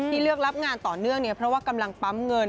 เลือกรับงานต่อเนื่องเนี่ยเพราะว่ากำลังปั๊มเงิน